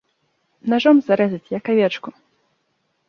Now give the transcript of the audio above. Нажом зарэзаць, як авечку.